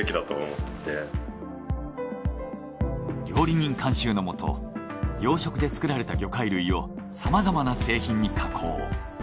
料理人監修のもと養殖で作られた魚介類をさまざまな製品に加工。